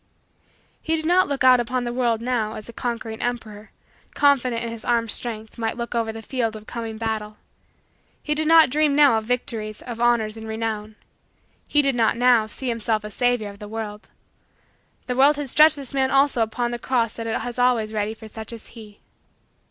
He did not look out upon the world, now, as a conquering emperor, confident in his armed strength, might look over the field of a coming battle. He did not dream, now, of victories, of honors, and renown. He did not, now, see himself a savior of the world. The world had stretched this man also upon the cross that it has always ready for such as he.